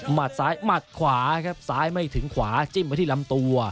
ซ้ายหมัดขวาครับซ้ายไม่ถึงขวาจิ้มไปที่ลำตัว